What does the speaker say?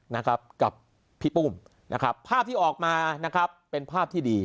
นะครับกับพี่ปุ้มนะครับภาพที่ออกมานะครับเป็นภาพที่ดี